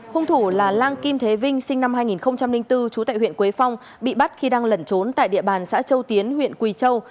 hung thủ là lang kim thế vinh sinh năm hai nghìn bốn trú tại huyện quế phong bị bắt khi đang lẩn trốn tại địa bàn xã châu tiến huyện quỳ châu